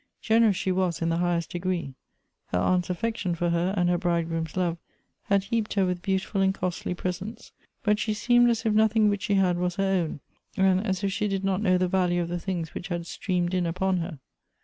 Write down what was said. Generous she was in the highest degree ; her aunt's affection for her, and her bridegroom's love, had heaped her with beautiful and costly presents, but she seemed as if nothing which she had was her own, and as if she did ,not know the value of the things which had streanied in upon her.